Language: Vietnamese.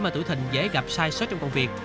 mà tử thình dễ gặp sai sót trong công việc